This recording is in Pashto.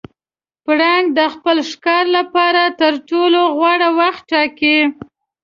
پړانګ د خپل ښکار لپاره تر ټولو غوره وخت ټاکي.